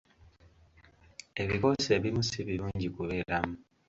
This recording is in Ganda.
Ebikoosi ebimu si birungi kubeeramu.